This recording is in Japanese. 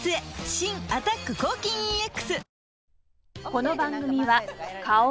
新「アタック抗菌ＥＸ」